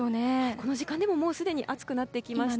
この時間でももうすでに暑くなってきましたね。